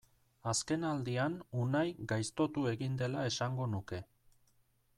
Azkenaldian Unai gaiztotu egin dela esango nuke.